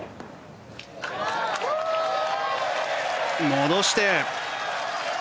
戻して。